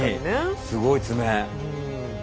すごい爪。